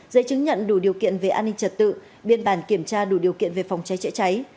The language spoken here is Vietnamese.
giấy chứng nhận đủ điều kiện về an ninh trật tự biên bản kiểm tra đủ điều kiện về phòng cháy chữa cháy